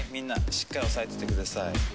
しっかり押さえててください」